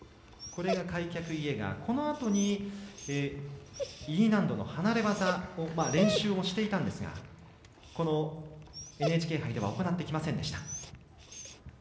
このあとにＥ難度の離れ技を練習もしていたんですがこのＮＨＫ杯では行ってきませんでした。